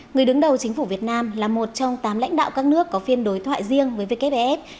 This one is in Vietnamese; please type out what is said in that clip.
người đứng đầu chính phủ việt nam là một trong tám lãnh đạo các nước có phiên đối thoại riêng với wfef